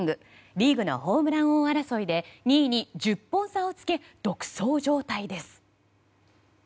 リーグのホームラン王争いで２位に１０本差をつけ独走状態です。